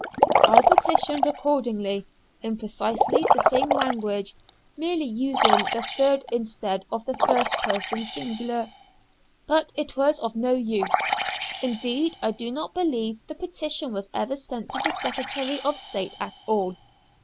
I petitioned accordingly, in precisely the same language, merely using the third instead of the first person singular. But it was of no use. Indeed I do not believe the petition was ever sent to the Secretary of State at all.